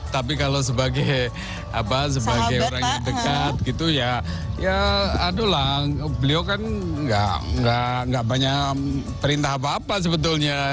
tapi kalau sebagai apa sebagai orang yang dekat gitu ya adulah beliau kan gak banyak perintah apa apa sebetulnya